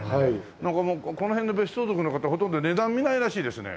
この辺の別荘族の方ほとんど値段見ないらしいですね？